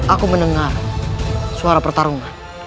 aku mendengar suara pertarungan